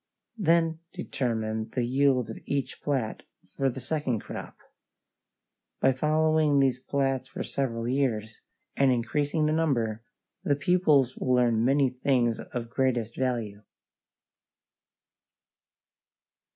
Then determine the yield of each plat for the second crop. By following these plats for several years, and increasing the number, the pupils will learn many things of greatest value.